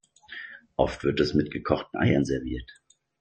Oft wird es mit gekochten Eiern serviert.